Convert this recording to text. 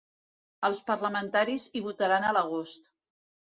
Els parlamentaris hi votaran a l'agost.